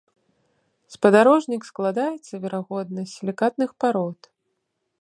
Спадарожнік складаецца, верагодна, з сілікатных парод.